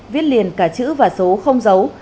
viết liền cả chữ và số không giấu